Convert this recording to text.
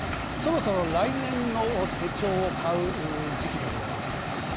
そろそろ来年の手帳を買う時期でございます。